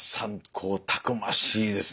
こうたくましいですね。